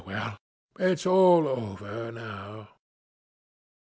Ah, well, it's all over now.'